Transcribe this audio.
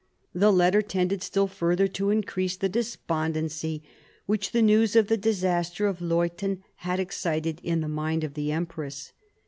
The letter tended still further to increase the despondency which the news of the disaster of Leuthen had excited in the mind of the empress.